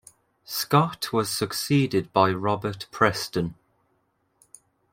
Scott was succeeded by Robert Preston.